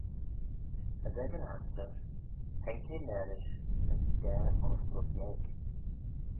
As ec yn astyr haink eh marish yn daa ostyl yeig.